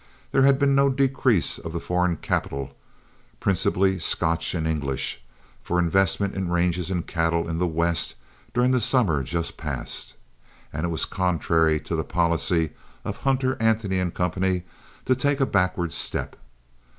There had been no decrease of the foreign capital, principally Scotch and English, for investment in ranges and cattle in the West during the summer just past, and it was contrary to the policy of Hunter, Anthony & Co. to take a backward step.